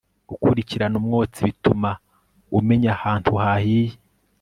Gukurikirana umwotsi bituma umenya ahantu hahiye